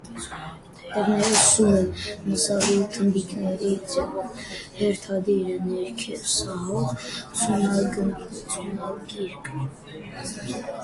Տերևները սուր են, մսալի թմբիկների ձևով, հերթադիր, ներքև սահող, ցողունագիրկ։